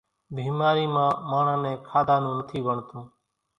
ڀيمارِي مان ماڻۿان نين کاڌا نون نٿِي وڻتون۔